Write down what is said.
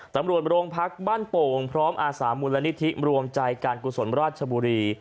ตำรวจโรงพักบ้านโป่งพร้อมอาสามูลนิธิรวมใจการกุศลราชบุรี